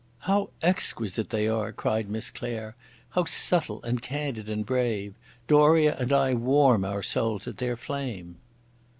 "How exquisite they are!" cried Miss Claire. "How subtle and candid and brave! Doria and I warm our souls at their flame."